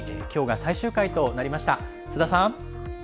きょうが最終回となりました。